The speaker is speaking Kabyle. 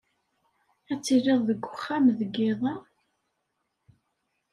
Ad tiliḍ deg wexxam deg yiḍ-a?